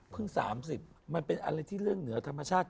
๓๐มันเป็นอะไรที่เรื่องเหนือธรรมชาติ